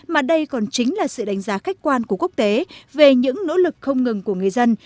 mà đây còn chính là sự đánh giá khách quan của quốc tế về những nỗ lực không ngừng của người dân